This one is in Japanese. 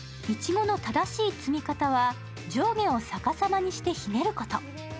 いちごの正しい摘み方は上下を逆さまにしてひねること。